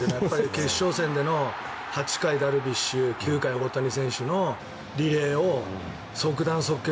決勝戦での８回、ダルビッシュ９回、大谷選手のリレーを即断・即決。